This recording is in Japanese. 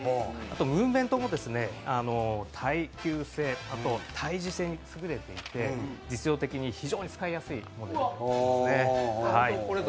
ムーブメントも耐久性にすぐれていて、実用的に、非常に使いやすいモデルとなっています。